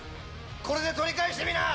これで取り返してみな！